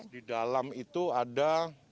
di dalam itu ada